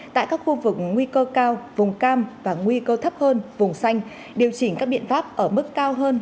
tại các khu vực nguy cơ cao vùng cam và nguy cơ thấp hơn vùng xanh điều chỉnh các biện pháp ở mức cao hơn